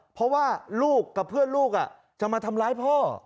เพราะว่าลูกกับเพื่อนลูกจะมาทำร้ายพ่อ